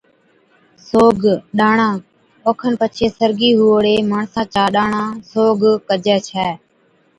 سوگ/ ڏاڻا، اوکن پڇي سرگِي ھئُوڙي ماڻسا چا ڏاڻا/ سوگ ڪجَي ڇَي